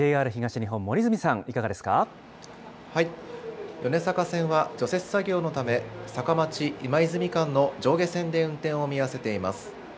ＪＲ東日本、森住さん、いかがで米坂線は除雪作業のため、坂町・今泉間の上下線で運転を見合わせています。